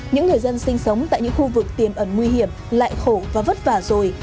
những người dân sinh sống tại những khu vực tiềm ẩn nguy hiểm lại khổ và vất vả rồi